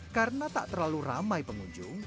karena tak terlalu ramai pengunjung